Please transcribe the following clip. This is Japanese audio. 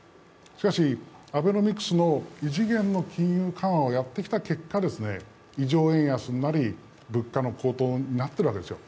しかし、アベノミクスの異次元の金融緩和をやってきた結果、異常円安になり、物価の高騰になっているわけですよ。